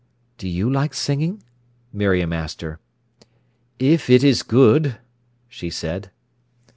"Do you like singing?" Miriam asked her. "If it is good," she said.